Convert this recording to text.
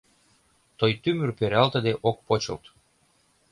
Той тӱмыр пералтыде ок почылт.